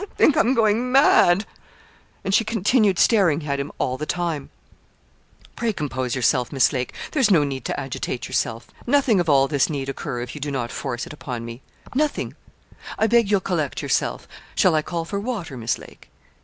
'I think I'm going mad!' And she continued staring at him all the time. 'Pray compose yourself, Miss Lake there's no need to agitate yourself nothing of all this need occur if you do not force it upon me nothing. I beg you'll collect yourself shall I call for water, Miss Lake?'